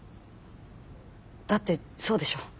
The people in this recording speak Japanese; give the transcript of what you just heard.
だってそうでしょ。